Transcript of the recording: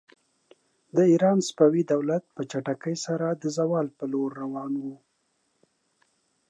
د ایران صفوي دولت په چټکۍ سره د زوال پر لور روان و.